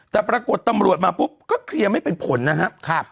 แต่ปรากฏตำรวจมาปุ๊บก็เคลียร์ไม่เป็นผลนะครับ